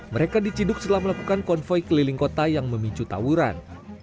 mereka diciduk setelah melakukan konvoy keliling kota yang memicu tawuran